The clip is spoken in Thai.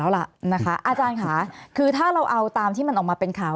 เอาล่ะนะคะอาจารย์ค่ะคือถ้าเราเอาตามที่มันออกมาเป็นข่าว